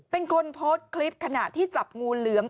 เป็นคนโพสต์คลิปขณะที่จับงูเหลือม